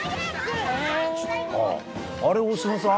あれ大島さん？